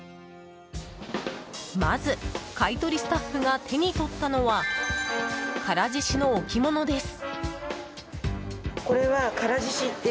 まず、買い取りスタッフが手に取ったのは唐獅子の置物です。